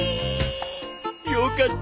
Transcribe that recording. よかった。